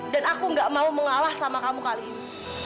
dan aku gak mau mengalah sama kamu kali ini